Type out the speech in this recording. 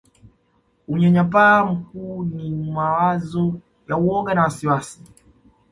Unyanyapaa mkuu ni mawazo ya woga na wasiwasi